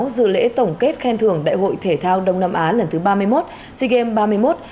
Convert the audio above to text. dự lễ tổng kết khen thưởng đại hội thể thao đông nam á lần thứ ba mươi một sea games ba mươi một